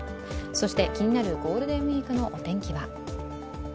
そして気になるゴールデンウイークのお天気は？